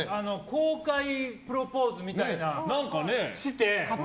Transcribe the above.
公開プロポーズみたいなのして